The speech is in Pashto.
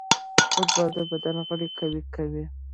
فوټبال د بدن غړي قوي کوي.